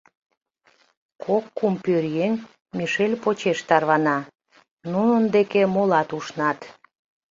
Кок-кум пӧръеҥ Мишель почеш тарвана Нунын деке молат ушнат.